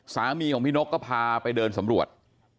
สามีของพี่นกก็พาไปเดินสำรวจ